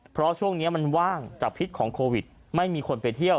เพราะช่วงนี้มันว่างจากพิษของโควิดไม่มีคนไปเที่ยว